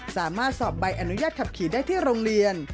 สามารถสอบใบอนุญาตขับขี่ได้ที่โรงเรียน